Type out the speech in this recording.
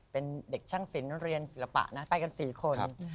เป็นเด็กช่างศิลป์เรียนศิลปะนะไปกัน๔คน